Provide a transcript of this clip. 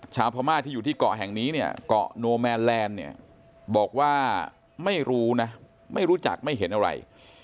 ชาวพม่าที่อยู่ที่เกาะแห่งนี้เนี่ยเกาะโนแมนแลนด์เนี่ยบอกว่าไม่รู้นะไม่รู้จักไม่เห็นอะไร